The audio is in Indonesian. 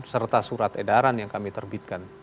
serta surat edaran yang kami terbitkan